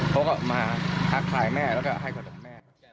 พวกเขามาทักทายแม่แล้วก็ให้ขะลมแม่